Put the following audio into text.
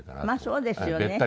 まあそうですよね。